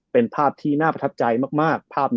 เป็นภาพที่น่าประทับใจมากภาพ๑